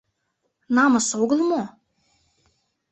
Намыс огыл мо?